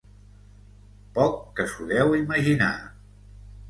Poc que s'ho deu imaginar.